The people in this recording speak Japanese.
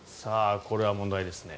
これは問題ですね。